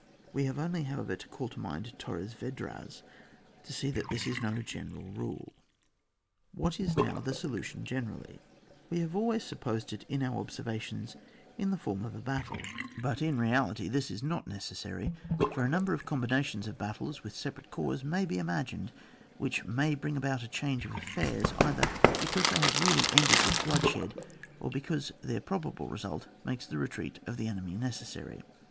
We have only, however, to call to mind TorresYedras, to see that this is no gene ral rule. What is now the solution generally ? We have always supposed it in our observations in Ure form of a battle; 00 ON WAR. [book VI. But in reality, this is not necessajry, for a number of combinations of battles with separate corps may be imagined, which may bring about a change of affairs, either because they have really ended with bloodshed, or because their pro bable result makes 4he retreat of the enemy necessary.